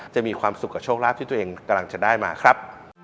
มีความสุขกับโชคลาภที่ตัวเองกำลังจะได้มาครับ